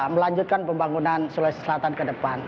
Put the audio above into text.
melanjutkan pembangunan sulawesi selatan ke depan